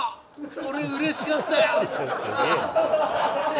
俺嬉しかったよ